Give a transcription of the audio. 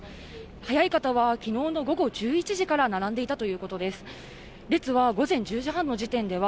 早い方は昨日の午後１１時から並んでいたということです。